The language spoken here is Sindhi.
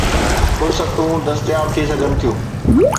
فرصتون دستياب ٿي سگهن ٿيون